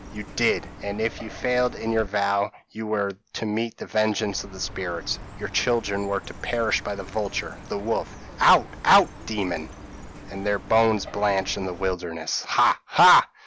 p> "'You did, and if you failed in your vow, you were to meet the vengeance of the spirits. Your children were to perish by the vulture, the wolf ' "'Out, out, demon!' "'And their bones blanch in the wilderness. Ha! ha!'